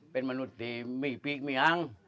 เป็นมนุษย์ดีมีปีกไม่อัง